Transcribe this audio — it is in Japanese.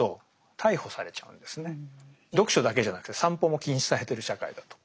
読書だけじゃなくて散歩も禁止されてる社会だと。